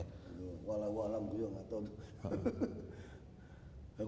walau walau gue juga nggak tahu tuh